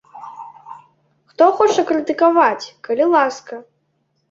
Хто хоча крытыкаваць, калі ласка!